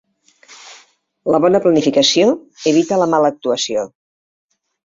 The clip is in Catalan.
La bona planificació evita la mala actuació.